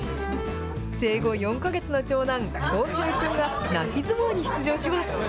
生後４か月の長男、航平くんが泣き相撲に出場します。